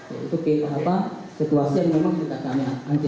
itu situasi yang memang kita antipasi